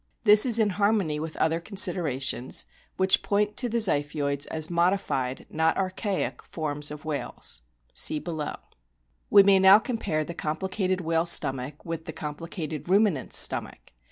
This is in harmony with other considerations, which point to the Ziphioids as modified, not archaic, forms of whales. (See below.) 6 4 A BOOK OF WHALES We may now compare the complicated whale stomach with the complicated Ruminant's stomach.